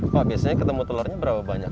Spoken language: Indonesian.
pak biasanya ketemu telurnya berapa banyak